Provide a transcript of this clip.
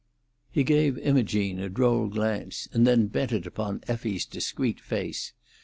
He gave Imogene a droll glance, and then bent it upon Effie's discreet face.